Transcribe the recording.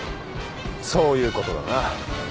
そういう事だな。